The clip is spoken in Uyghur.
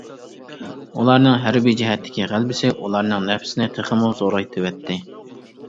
ئۇلارنىڭ ھەربىي جەھەتتىكى غەلىبىسى ئۇلارنىڭ نەپسىنى تېخىمۇ زورايتىۋەتتى.